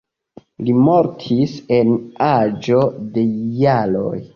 Li mortis en aĝo de jaroj.